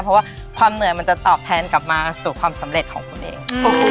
เพราะว่าความเหนื่อยมันจะตอบแทนกลับมาสู่ความสำเร็จของคุณเอง